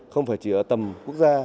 không phải chỉ ở tầm quốc gia